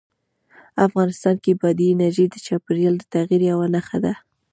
افغانستان کې بادي انرژي د چاپېریال د تغیر یوه نښه ده.